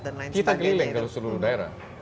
dan lain lain kita keliling ke seluruh daerah